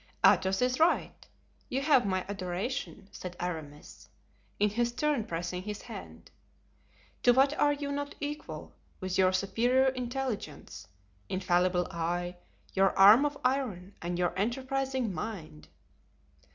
"Athos is right—you have my adoration," said Aramis, in his turn pressing his hand. "To what are you not equal, with your superior intelligence, infallible eye, your arm of iron and your enterprising mind!"